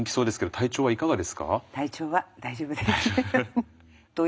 体調は大丈夫です。